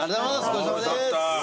ごちそうさまです。